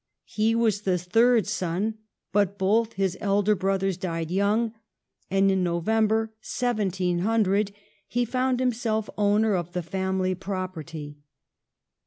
He was the third son, but both his elder brothers died young, and in November 1700 he found himself owner of the family property.